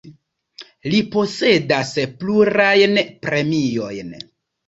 Li posedas plurajn premiojn.